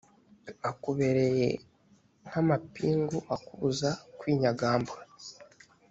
akubereye nk amapingu akubuza kwinyagambura.